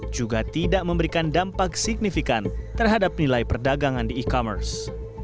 juga tidak memberikan dampak signifikan terhadap nilai perdagangan di e commerce